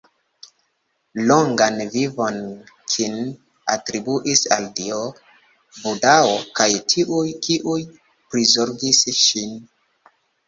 Longan vivon Kin atribuis al Dio, Budao, kaj tiuj, kiuj prizorgis ŝin.